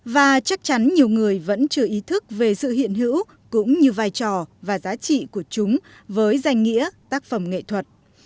và chắc chắn nhiều người vẫn chưa ý thức về sự hiện hữu cũng như vai trò và giá trị của chúng với danh nghĩa tác phẩm nghệ thuật